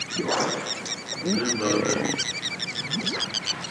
Òrzèmbá hwɛ̂.